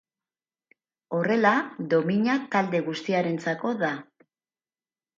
Horrela, domina talde guztiarentzako da.